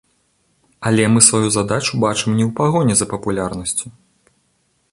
Але мы сваю задачу бачым не ў пагоні за папулярнасцю.